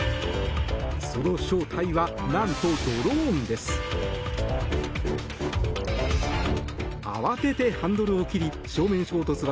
その正体はなんとドローンです。